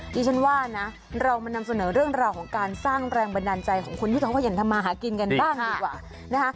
ดิฉันว่านะเรามานำเสนอเรื่องราวของการสร้างแรงบันดาลใจของคนที่เขาขยันทำมาหากินกันบ้างดีกว่านะคะ